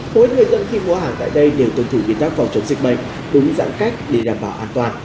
mỗi người tận khi mua hàng tại đây đều tương thủ viên tác phòng chống dịch bệnh đúng giãn cách để đảm bảo an toàn